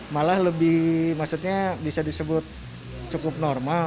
malah lebih maksudnya bisa disebut cukup normal